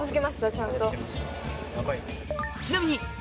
ちゃんと。